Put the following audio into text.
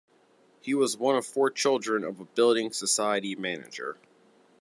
He was one of four children of a building society manager.